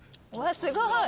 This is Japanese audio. すごい。